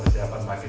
idealnya seperti itu